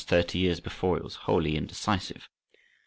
thirty years before, it was wholly indecisive.